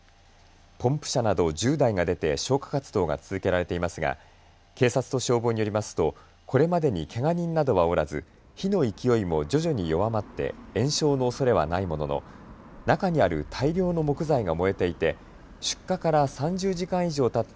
ポンプ車など１０台が出て消火活動が続けられていますが警察と消防によりますとこれまでにけが人などはおらず火の勢いも徐々に弱まって延焼のおそれはないものの中にある大量の木材が燃えていて出火から３０時間以上たった